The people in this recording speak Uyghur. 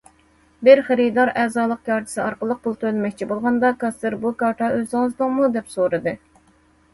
بىر خېرىدار ئەزالىق كارتىسى ئارقىلىق پۇل تۆلىمەكچى بولغاندا، كاسسىر:‹‹ بۇ كارتا ئۆزىڭىزنىڭمۇ؟›› دەپ سورىدى.